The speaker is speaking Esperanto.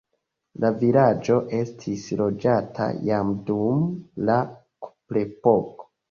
La vilaĝo estis loĝata jam dum la kuprepoko.